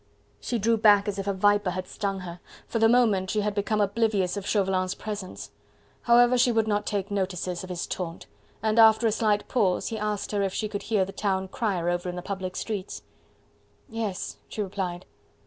She drew back as if a viper had stung her; for the moment she had become oblivious of Chauvelin's presence. However, she would not take notice of his taunt, and, after a slight pause, he asked her if she could hear the town crier over in the public streets. "Yes," she replied.